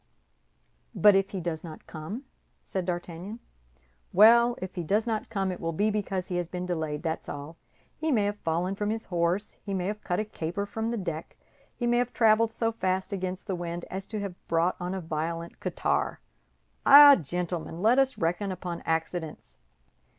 "But if he does not come?" said D'Artagnan. "Well, if he does not come, it will be because he has been delayed, that's all. He may have fallen from his horse, he may have cut a caper from the deck; he may have traveled so fast against the wind as to have brought on a violent catarrh. Eh, gentlemen, let us reckon upon accidents!